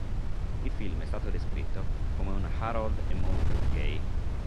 Il film è stato descritto come un "Harold e Maude" gay.